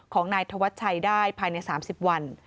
ของนายธวัชชัยได้ภายใน๓๐วัน